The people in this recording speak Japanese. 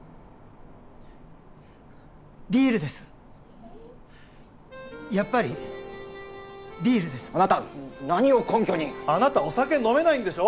ビールですッやっぱりビールです・何を根拠にあなたお酒飲めないんでしょ！？